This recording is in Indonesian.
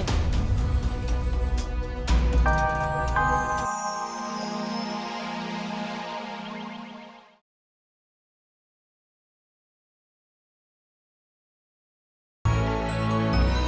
orang tua bahkan